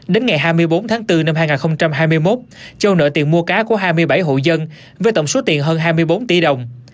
đến ngày hai mươi bốn tháng bốn năm hai nghìn hai mươi một châu nợ tiền mua cá của hai mươi bảy hộ dân với tổng số tiền hơn hai mươi bốn tỷ đồng